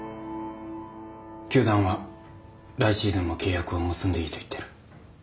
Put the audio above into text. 球団は来シーズンも契約を結んでいいと言ってる。